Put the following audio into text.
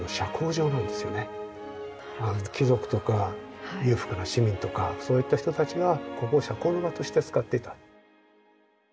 貴族とか裕福な市民とかそういった人たちがここを社交の場として使っていた。